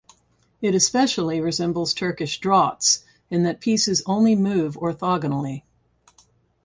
It especially resembles Turkish draughts in that pieces only move orthogonally.